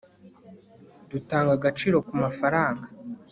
dutanga agaciro kumafaranga